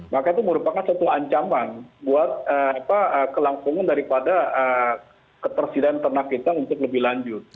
maka itu merupakan suatu ancaman buat kelangsungan daripada ketersediaan ternak kita untuk lebih lanjut